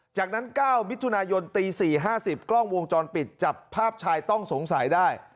จากนั้น๙มิถุนายนตี๔๕๐กล้องวงจรปิดจับภาพชายต้องสงสัยได้